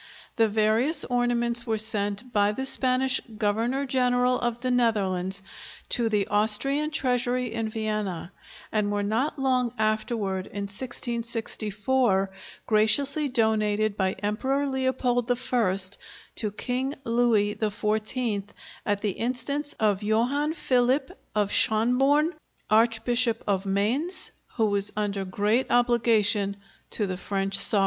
The various ornaments were sent by the Spanish Governor General of the Netherlands to the Austrian treasury in Vienna, and were not long afterward, in 1664, graciously donated by Emperor Leopold I to King Louis XIV, at the instance of Johann Philip of Schonborn, Archbishop of Mainz, who was under great obligation to the French sovereign.